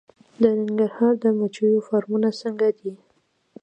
د ننګرهار د مچیو فارمونه څنګه دي؟